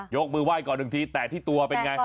ยกมือไหว้ก่อนหนึ่งทีแต่ที่ตัวเป็นไง